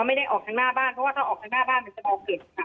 ไม่ได้ออกข้างหน้าบ้านเพราะว่าถ้าออกข้างหน้าบ้านมันจะตอบเห็น